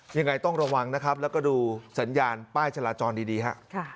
ยังไงต้องระวังนะครับแล้วก็ดูสัญญาณป้ายจราจรดีฮะ